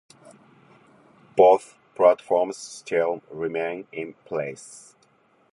Both platforms still remain in place.